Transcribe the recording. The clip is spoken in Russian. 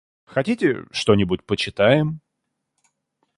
Хотите, что-нибудь почитаем?